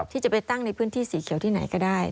ที่จะไปตั้งในพื้นที่สีเขียวที่ไหนก็ได้